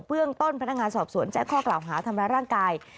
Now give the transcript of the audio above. เรื่องต้นพนักงานสอบสวนแจ้งข้อกล่าวหาทำร้ายร่างกาย